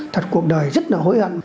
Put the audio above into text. thật cuộc đời rất là hối hận